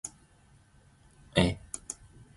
Kungenzeka ukuthi omunye uthanda kakhulu utshwala.